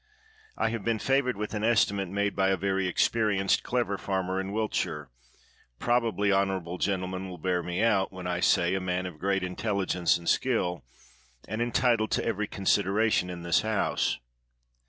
I have been favored with an estimate made by a very experienced, clever farmer in Wiltshire — probably honorable gentle men will bear me out, when I say a man of great 166 COBDEN intelligence and skill, and entitled to every con sideration in this House.